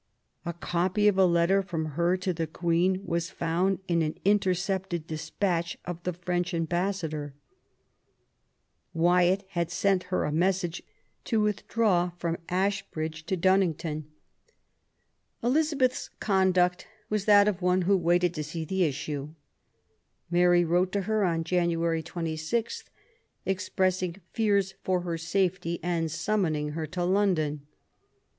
A copy of a letter from her to the Queen was found in an intercepted dis patch of the French ambassador; Wyatt had sent her a message to withdraw from Ashbridge to Dun nington. Elizabeth's conduct was that of one who waited to see the issue. Mary wrote to her on Janu ary 26, expressing fears for her safety and summoning THE YOUTH OF ELIZABETH, 27 her to London.